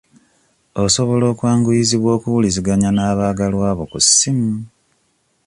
Osobola okwanguyizibwa okuwuliziganya n'abaagalwabo ku ssimu.